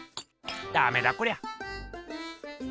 ダメだこりゃ。